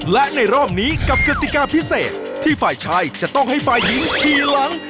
และในรอบนี้กับกติกาพิเศษที่ฝ่ายชายจะต้องให้ฝ่ายหญิงขี่หลัง